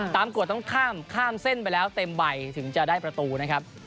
กวดต้องข้ามข้ามเส้นไปแล้วเต็มใบถึงจะได้ประตูนะครับ